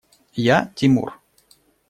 Я – Тимур.